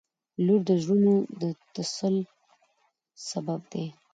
• لور د زړونو د تسل سبب دی.